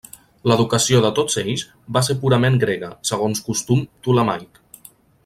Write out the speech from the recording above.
L'educació de tots ells va ser purament grega, segons costum ptolemaic.